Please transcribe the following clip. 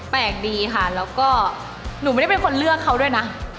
แปลกดีค่ะแล้วก็หนูไม่ได้เป็นคนเลือกเขาด้วยนะ